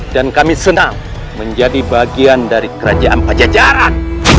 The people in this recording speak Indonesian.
dan kami senang menjadi bagian dari kerajaan pajajaran